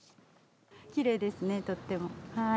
きれいですね、とっても。